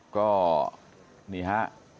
ก็นี่ฮะ